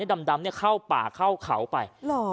ดำเข้าป่าเข้าเขาไป